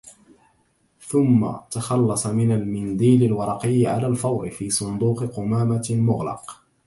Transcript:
ثم تخلص من المنديل الورقي على الفور في صندوق قمامة مغلق